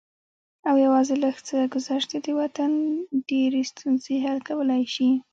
او يوازې لږ څه ګذشت د دې وطن ډېرې ستونزې حل کولی شي